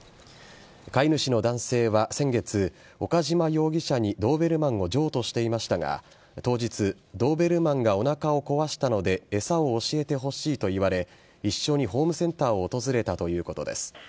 飼い主の男性は先月岡島容疑者にドーベルマンを譲渡していましたが当日、ドーベルマンがおなかを壊したので餌を教えてほしいと言われ一緒にホームセンターを訪れたということです。